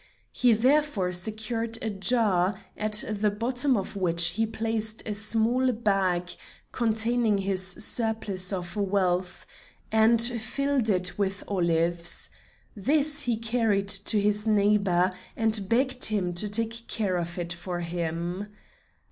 He therefore secured a jar, at the bottom of which he placed a small bag containing his surplus of wealth, and filled it with olives. This he carried to his neighbor, and begged him to take care of it for him.